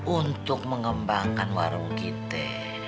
untuk mengembangkan warung kita